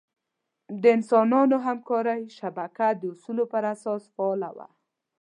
د انسانانو همکارۍ شبکه د اصولو پر اساس فعاله وه.